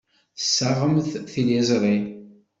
Tessaɣemt tiliẓri.